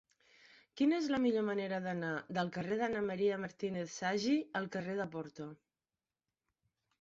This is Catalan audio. Quina és la millor manera d'anar del carrer d'Anna M. Martínez Sagi al carrer de Porto?